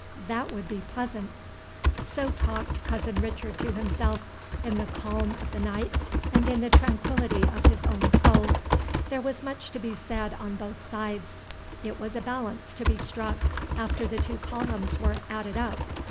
That would be pleasant! So talked Cousin Richard to himself, in the calm of the night and in the tranquillity of his own soul. There was much to be said on both sides. It was a balance to be struck after the two columns were added up.